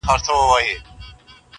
دښایستونو خدایه اور ته به مي سم نیسې.